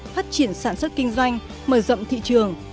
phát triển sản xuất kinh doanh mở rộng thị trường